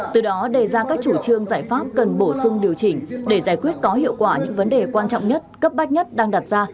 từ đó đề ra các chủ trương giải pháp cần bổ sung điều chỉnh để giải quyết có hiệu quả những vấn đề quan trọng nhất cấp bách nhất đang đặt ra